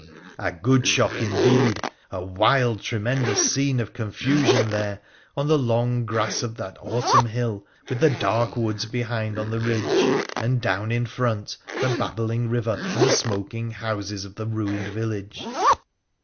A good shock indeed ! A wild tremendous scene of con fusion there on the long grass of that autumn hill, with the dark woods behind on the ridge, and, down in front, the babbling river and the smoking houses of the ruined village.